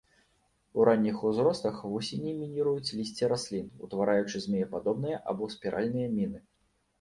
У ранніх узростах вусені мініруюць лісце раслін, утвараючы змеепадобныя або спіральныя міны.